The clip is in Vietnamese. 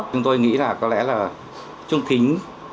chúng tôi nghĩ là có lẽ là trung kính